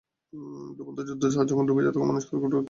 ডুবন্ত জাহাজ যখন ডুবে যায়, তখন মানুষ খড়কুটো ধরে বাঁচার চেষ্টা করেন।